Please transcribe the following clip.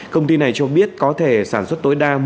công ty này cho biết có thể sản xuất tối đa một mươi